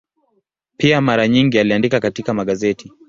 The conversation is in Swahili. Pia mara nyingi aliandika katika magazeti.